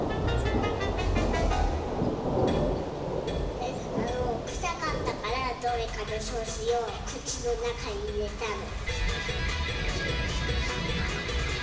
えっあのくさかったからどうにかしようくちのなかにいれたの。